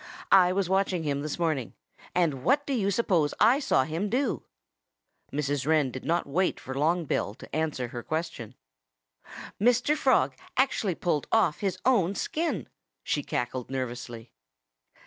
"I was watching him this morning. And what do you suppose I saw him do?" Mrs. Wren did not wait for Long Bill to answer her question. "Mr. Frog actually pulled off his own skin!" she cackled nervously.